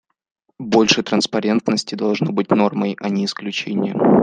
Больше транспарентности должно быть нормой, а не исключением.